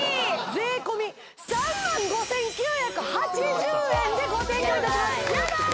税込３５９８０円でご提供いたしますヤバい！